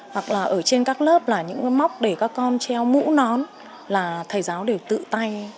hoặc là ở trên các lớp là những cái móc để các con treo mũ nón là thầy giáo đều tự tay